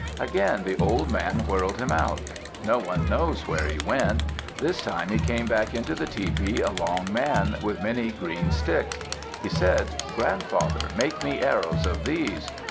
Again the old man whirled him out. No one knows where he went. This time he came back into the tepee a long man, with many green sticks. He said, "Grandfather, make me arrows of these."